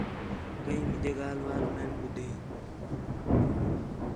کئیں مینجے ڳالھ وار نان ٻدھے